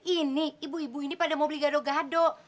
ini ibu ibu ini pada mau beli gado gado